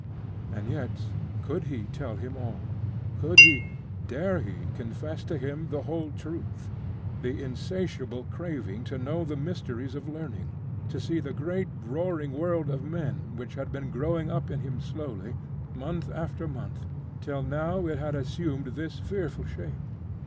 And yet could he tell him all? Could he, dare he confess to him the whole truth the insatiable craving to know the mysteries of learning to see the great roaring world of men, which had been growing up in him slowly, month after month, till now it had assumed this fearful shape?